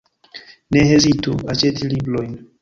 Ne hezitu aĉeti librojn!